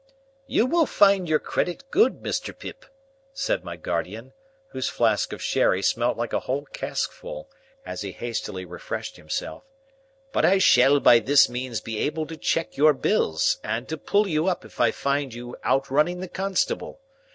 "You will find your credit good, Mr. Pip," said my guardian, whose flask of sherry smelt like a whole caskful, as he hastily refreshed himself, "but I shall by this means be able to check your bills, and to pull you up if I find you outrunning the constable.